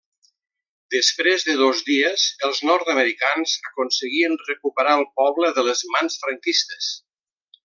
Després de dos dies, els nord-americans aconseguien recuperar el poble de les mans franquistes.